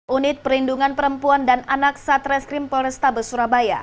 unit perlindungan perempuan dan anak satreskrim polrestabes surabaya